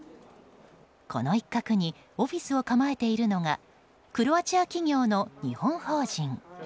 この一角にオフィスを構えているのがクロアチア企業の日本法人。